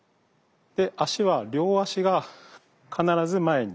で足は両足が必ず前に。